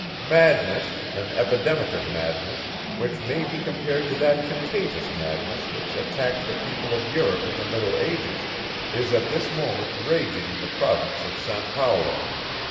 Madness, an epidemic of madness, which may be compared to that contagious madness which attacked the people of Europe in the Middle Ages, is at this moment raging in the Province of San Paulo.